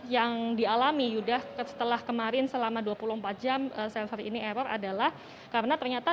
yang dialami yuda setelah kemarin selama dua puluh empat jam server ini error adalah karena ternyata